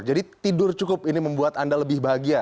jadi tidur cukup ini membuat anda lebih bahagia